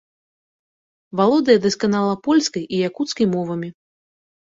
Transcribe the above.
Валодае дасканала польскай і якуцкай мовамі.